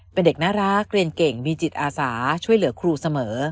เป็นเด็กน่ารักเรียนเก่งมีจิตอาสาช่วยเหลือครูเสมอ